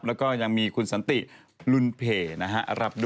แล้วก็ยังมีคุณสันติรุนเพลย์นะครับรับด้วย